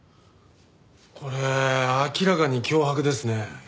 これ明らかに脅迫ですね。